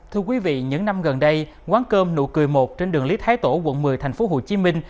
thưa quý vị những năm gần đây quán cơm nụ cười một trên đường lý thái tổ quận một mươi tp hcm